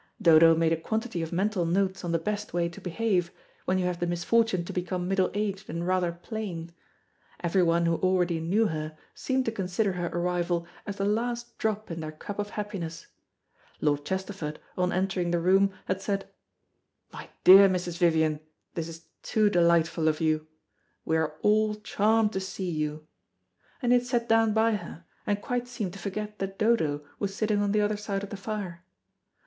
Dodo made a quantity of mental notes on the best way to behave, when you have the misfortune to become middle aged and rather plain. Everyone who already knew her seemed to consider her arrival as the last drop in their cup of happiness. Lord Chesterford, on entering the room, had said, "My dear Mrs. Vivian, this is too delightful of you. We are all charmed to see you," and he had sat down by her, and quite seemed to forget that Dodo was sitting on the other side of the fire.